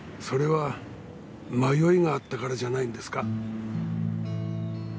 それは迷いがあったからじゃないんですか？